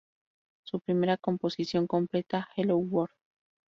Su primera composición completa, "Hello World!